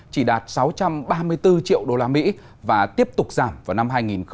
chỉ đạt sáu trăm ba mươi bốn triệu đô la mỹ và tiếp tục giảm vào năm hai nghìn hai mươi ba